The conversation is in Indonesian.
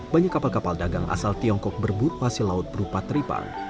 banyak kapal kapal dagang asal tiongkok berburu hasil laut berupa tripang